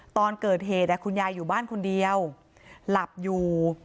ตอนเกิดเหตุคุณยายอยู่บ้านคนเดียวหลับอยู่